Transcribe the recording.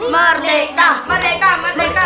merdeka merdeka merdeka